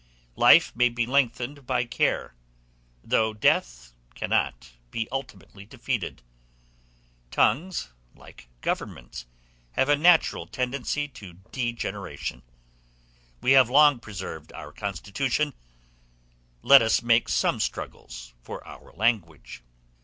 Life may be lengthened by care, though death cannot be ultimately defeated: tongues, like governments, have a natural tendency to degeneration; we have long preserved our constitution, let us make some struggles for our language.